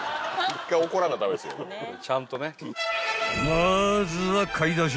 ［まずは買い出し］